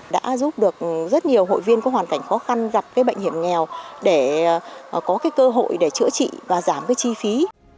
đã giúp được rất nhiều hội viên có hoàn cảnh khó khăn gặp cái bệnh hiểm nghèo để có cái cơ hội để chữa trị và giảm cái chi phí